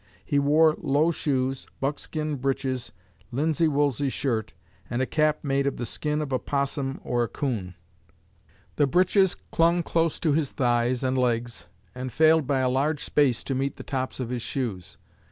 He wore low shoes, buckskin breeches, linsey woolsey shirt, and a cap made of the skin of a 'possum or a coon. The breeches clung close to his thighs and legs, and failed by a large space to meet the tops of his shoes.